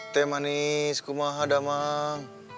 teh manis kumaha damang